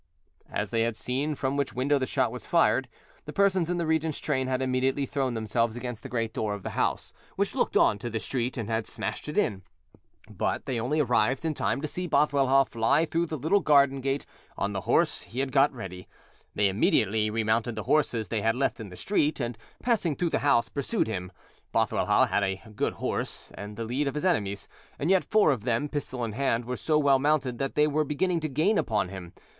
As they had seen from which window the shot was fired, the persons in the regent's train had immediately thrown themselves against the great door of the house which looked on to the street, and had smashed it in; but they only arrived in time to see Bothwellhaugh fly through the little garden gate on the horse he had got ready: they immediately remounted the horses they had left in the street, and, passing through the house, pursued him. Bothwellhaugh had a good horse and the lead of his enemies; and yet, four of them, pistol in hand, were so well mounted that they were beginning to gain upon him.